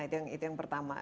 itu yang pertama